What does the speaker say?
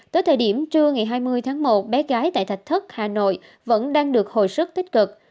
tới thời điểm trưa ngày hai mươi tháng một bé gái tại thạch thất hà nội vẫn đang được hồi sức tích cực